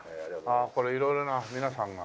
これ色々な皆さんが。